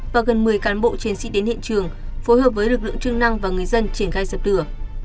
và gần một mươi cán bộ trên xị đến hiện trường phối hợp với lực lượng chức năng và người dân triển khai sập tửa